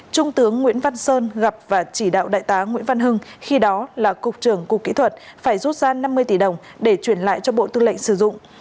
trung tướng nguyễn văn sơn gặp và chỉ đạo đại tá nguyễn văn hưng khi đó là cục trưởng cục kỹ thuật phải rút ra năm mươi tỷ đồng để chuyển lại cho bộ tư lệnh sử dụng